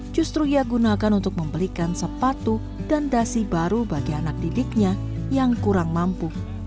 justru ia gunakan untuk membelikan sepatu dan dasi baru bagi anak didiknya yang kurang mampu